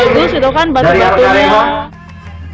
jadi disitu kan batu batunya